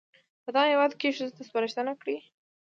په دغه هېواد کې ښځو ته سپارښتنه کړې